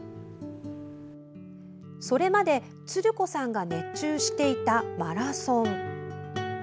それまで、つる子さんが熱中していたマラソン。